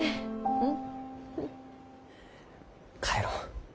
うん。